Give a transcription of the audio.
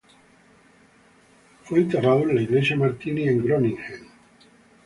Fue enterrado en la iglesia Martini en Groningen.